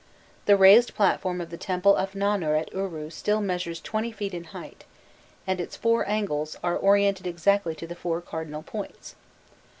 The raised platform of the temple of Nannar at Uru still measures 20 feet in height, and its four angles are orientated exactly to the four cardinal points.